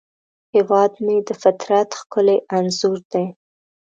هیواد مې د فطرت ښکلی انځور دی